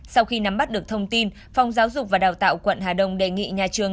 sau khi nắm bắt được thông tin phòng giáo dục và đào tạo quận hà đông đề nghị nhà trường